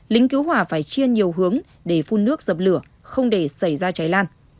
lính cứu hỏa phải chia nhiều hướng để phun nước dập lửa không để xảy ra cháy lan